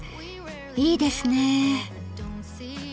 いいですね。